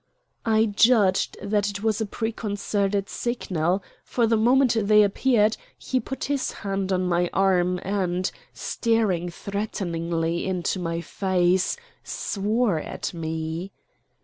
I judged that it was a preconcerted signal, for the moment they appeared he put his hand on my arm and, staring threateningly into my face, swore at me.